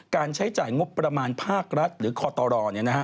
ใช้จ่ายงบประมาณภาครัฐหรือคอตร